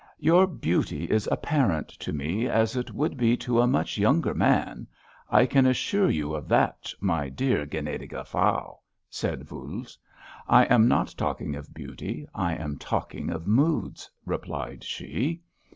"Your beauty is apparent to me, as it would be to a much younger man, I can assure you of that, my dear gnädige Frau," said Voules. "I am not talking of beauty—I am talking of moods," replied she.